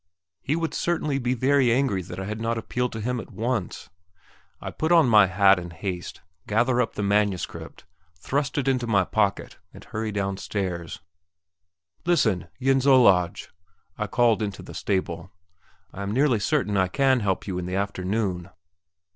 He would certainly be very angry that I had not appealed to him at once. I put on my hat in haste, gather up the manuscript, thrust it into my pocket, and hurry downstairs. "Listen, Jens Olaj!" I called into the stable, "I am nearly certain I can help you in the afternoon."